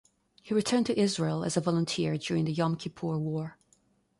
He returned to Israel as a volunteer during the Yom Kippur War.